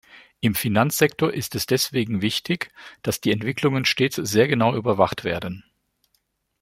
Im Finanzsektor ist es deswegen wichtig, dass die Entwicklungen stets sehr genau überwacht werden.